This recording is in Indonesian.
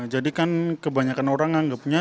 jadi kan kebanyakan orang anggapnya